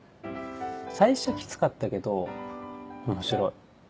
最初キツかったけど面白い。